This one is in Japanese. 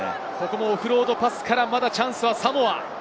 オフロードパスからまだチャンスはサモア。